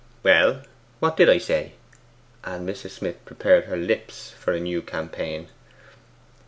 'Well, what did I say?' And Mrs. Smith prepared her lips for a new campaign.